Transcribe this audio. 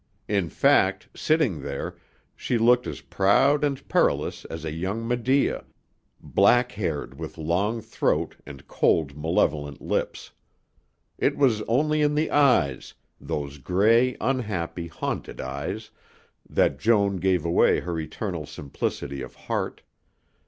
In fact, sitting there, she looked as proud and perilous as a young Medea, black haired with long throat and cold, malevolent lips. It was only in the eyes those gray, unhappy, haunted eyes that Joan gave away her eternal simplicity of heart.